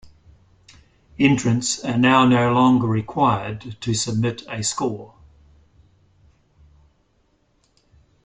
Entrants are now no longer required to submit a score.